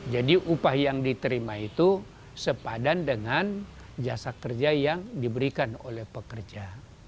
jadi upah yang diterima itu sepadan dengan jasa kerja yang diberikan oleh pekerja